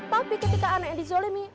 tapi ketika anak yang dizolimi